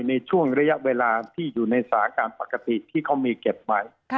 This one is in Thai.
ในช่วงระยะเวลาที่อยู่ในสาหกรรมปกติที่เขามีเก็บไว้